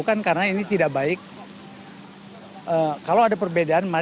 saya tidak paham